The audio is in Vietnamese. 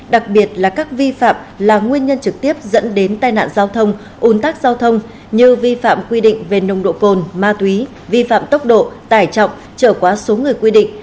đặc biệt là các vi phạm là nguyên nhân trực tiếp dẫn đến tai nạn giao thông ủn tắc giao thông như vi phạm quy định về nồng độ cồn ma túy vi phạm tốc độ tải trọng trở quá số người quy định